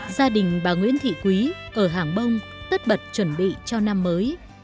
gia đình bà nguyễn thị quý ở hàng bông tất bật chuẩn bị cho năm mới